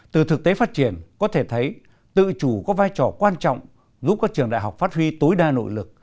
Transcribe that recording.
từ thực tế phát triển có thể thấy tự chủ có vai trò quan trọng giúp các trường đại học phát huy tối đa nội lực